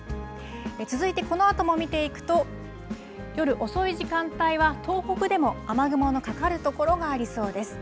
続いてこのあとも見ていくと、夜遅い時間帯は東北でも雨雲のかかる所がありそうです。